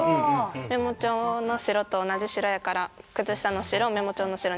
メモ帳の白と同じ白やから「くつ下の白メモ帳の白」にしようかなって。